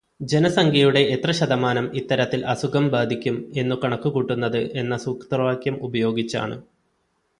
ജനസംഖ്യയുടെ എത്ര ശതമാനം ഇത്തരത്തിൽ അസുഖം ബാധിക്കും എന്നു കണക്കു കൂട്ടുന്നത് എന്ന സൂത്രവാക്യം ഉപയോഗിച്ചാണ്.